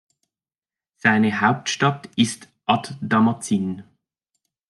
Seine Hauptstadt ist ad-Damazin.